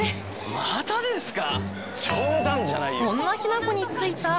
またですか？